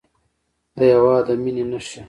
د هېواد د مینې نښې